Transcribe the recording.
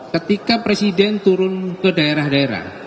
ketika presiden turun ke daerah daerah